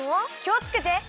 きをつけて！